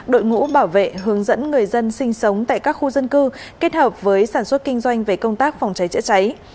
đội ngũ bảo vệ hướng dẫn người dân sinh sống tại các khu dân cư kết hợp với sản xuất kinh doanh về công tác phòng cháy chữa cháy